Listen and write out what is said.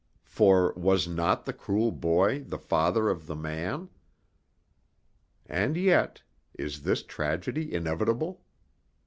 For was not the cruel boy the father of the man? And yet, is this tragedy inevitable?